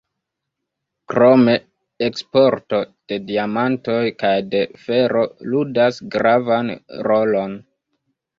Krome eksporto de diamantoj kaj de fero ludas gravan rolon.